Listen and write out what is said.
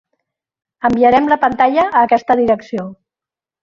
Enviarem la pantalla a aquesta direcció.